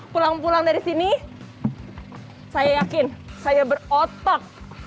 pulang pulang dari sini saya yakin saya berotak